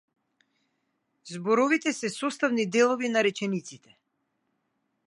Зборовите се составни делови на речениците.